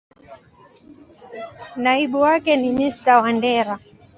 Naibu wake ni Mr.Wandera.